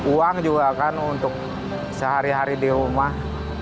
uang juga kan untuk sehari hari di rumah